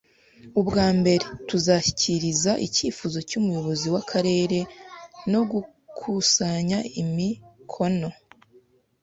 Ubwa mbere, tuzashyikiriza icyifuzo umuyobozi w'akarere no gukusanya imikono